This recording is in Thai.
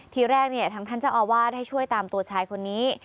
ทีแรกทางท่านเจ้าอาวาสให้ช่วยตามตัวชายคนนี้